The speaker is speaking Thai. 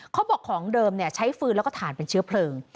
ของเดิมใช้ฟืนแล้วก็ถ่านเป็นเชื้อเพลิง